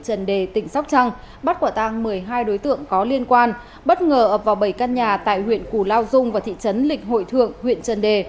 trần đề tỉnh sóc trăng bắt quả tang một mươi hai đối tượng có liên quan bất ngờ ập vào bảy căn nhà tại huyện củ lao dung và thị trấn lịch hội thượng huyện trần đề